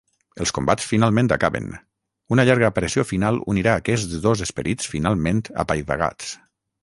Els combats finalment acaben, una llarga pressió final unirà aquests dos esperits finalment apaivagats.